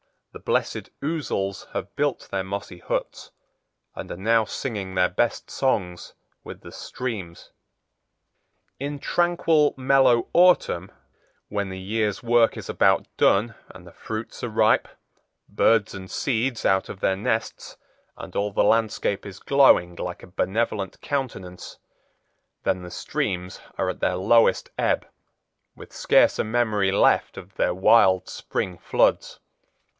The blessed ouzels have built their mossy huts and are now singing their best songs with the streams. In tranquil, mellow autumn, when the year's work is about done and the fruits are ripe, birds and seeds out of their nests, and all the landscape is glowing like a benevolent countenance, then the streams are at their lowest ebb, with scarce a memory left of their wild spring floods.